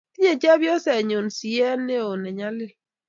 Tinye chepyosenyu siet ne yoo ne nyalil